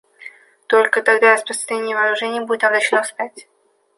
Только тогда распространение вооружений будет обращено вспять.